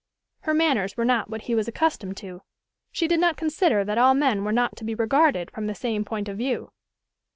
Her manners were not what he was accustomed to: she did not consider that all men were not to be regarded from the same point of view.